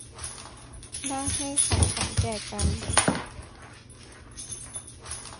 ได้ให้ของขวัญแก่กัน